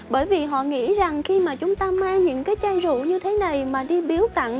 bởi vì họ nghĩ rằng khi mà chúng ta mang những cái trang rượu như thế này mà đi biếu tặng